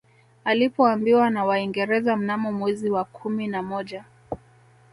Alipoambiwa na Waingereza mnamo mwezi wa kumi na moja